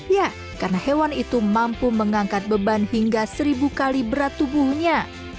ya karena hewan itu mampu mengangkat beban hingga seribu kali berat tubuhnya